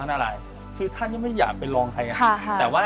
ว่าพระนารายย์คือท่านยังไม่อยากไปลองใครอ่ะค่ะแต่ว่า